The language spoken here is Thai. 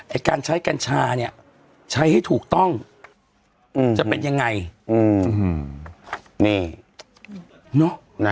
ไอ้การใช้กัญชาเนี่ยใช้ให้ถูกต้องจะเป็นยังไงอืมนี่เนอะ